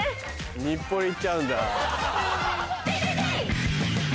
日暮里行っちゃうんだ。